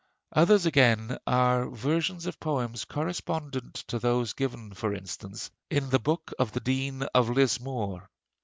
Others again are versions of poems correspondent to those given, for instance, in the 'Book of the Dean of Lismore.'